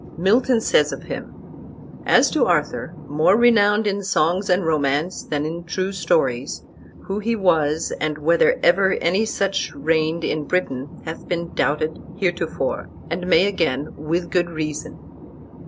Milton says of him: "As to Arthur, more renowned in songs and romances than in true stories, who he was, and whether ever any such reigned in Britain, hath been doubted heretofore, and may again, with good reason."